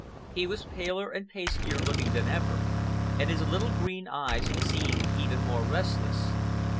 He was paler and pastier looking than ever, and his little green eyes seemed even more restless.